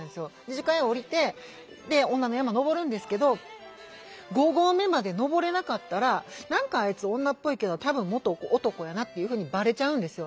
樹海へ下りて女の山登るんですけど５合目まで登れなかったら「何かあいつ女っぽいけど多分元男やな」っていうふうにバレちゃうんですよ。